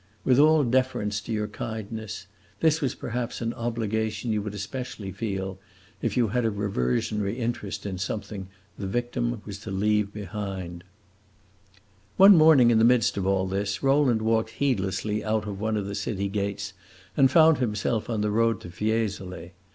With all deference to your kindness, this was perhaps an obligation you would especially feel if you had a reversionary interest in something the victim was to leave behind him. One morning, in the midst of all this, Rowland walked heedlessly out of one of the city gates and found himself on the road to Fiesole.